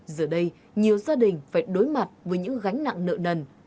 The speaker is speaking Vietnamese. giờ đây nhiều gia đình phải đối mặt với những gánh nặng nợ nần